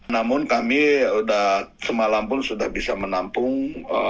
namun kami sudah semalam pun sudah bisa menampung